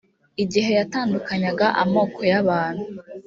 igihe yatandukanyaga amoko y’abantu.